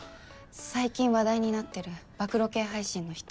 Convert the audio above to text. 最近話題になってる暴露系配信の人。